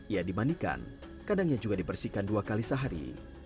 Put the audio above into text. ia dimandikan kadangnya juga dibersihkan dua kali sehari